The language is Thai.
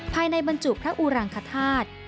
บรรจุพระอุรังคธาตุ